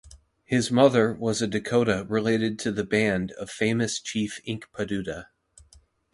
His mother was a Dakota related to the band of famous Chief Inkpaduta.